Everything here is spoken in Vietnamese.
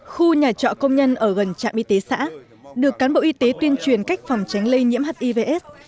khu nhà trọ công nhân ở gần trạm y tế xã được cán bộ y tế tuyên truyền cách phòng tránh lây nhiễm hivs